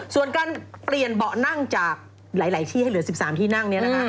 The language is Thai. ส่วนการเปลี่ยนเบาะนั่งจากหลายที่ให้เหลือ๑๓ที่นั่งเนี่ยนะคะ